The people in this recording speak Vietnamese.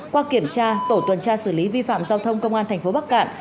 qua kiểm tra tổ tuần tra xử lý vi phạm giao thông công an thành phố bắc cạn